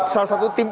salah satu tim